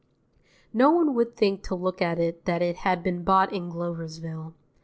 No one would think to look at it that it had been bought in Gloversville.